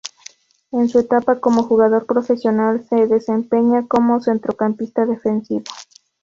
En su etapa como jugador profesional se desempeñaba como centrocampista defensivo.